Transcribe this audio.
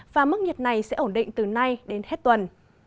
và mức nhiệt này sẽ ổn định từ nay đến hết tuần